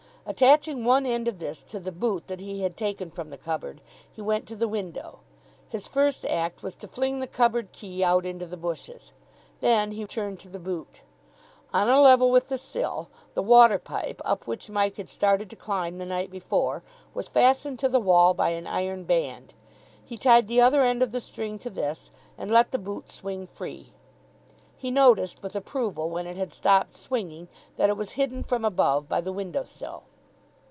Attaching one end of this to the boot that he had taken from the cupboard, he went to the window. His first act was to fling the cupboard key out into the bushes. Then he turned to the boot. On a level with the sill the water pipe, up which Mike had started to climb the night before, was fastened to the wall by an iron band. He tied the other end of the string to this, and let the boot swing free. He noticed with approval, when it had stopped swinging, that it was hidden from above by the window sill.